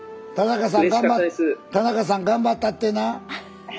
田中さん頑張ったってな。